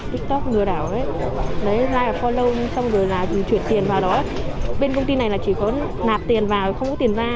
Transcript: tiktok lừa đảo đấy ra là polong xong rồi là chuyển tiền vào đó bên công ty này là chỉ có nạp tiền vào không có tiền ra